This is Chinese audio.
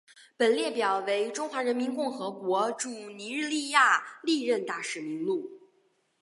本列表为中华人民共和国驻尼日利亚历任大使名录。